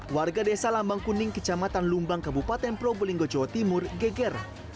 warga desa lambang kuning kecamatan lumbang kabupaten probolinggo jawa timur geger